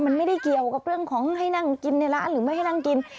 มันไม่ได้เกี่ยวกับเรื่องของให้นั่งกินในร้านหรือไม่ให้นั่งกิน